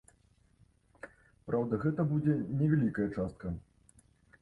Праўда, гэта будзе невялікая частка.